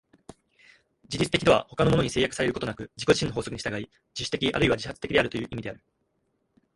自律的とは他のものに制約されることなく自己自身の法則に従い、自主的あるいは自発的であるという意味である。